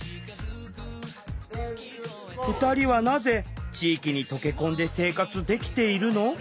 ２人はなぜ地域に溶け込んで生活できているの？